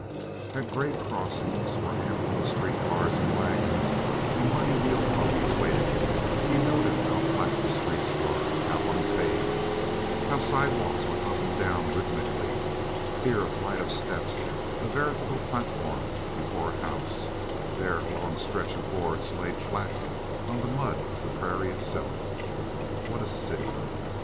At grade crossings, where ambling street cars and wagons and muddy wheeled buggies waited, he noted how flat the streets were, how unpaved, how sidewalks went up and down rhythmically—here a flight of steps, a veritable platform before a house, there a long stretch of boards laid flat on the mud of the prairie itself. What a city!